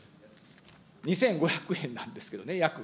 ２５００円なんですけれどもね、約。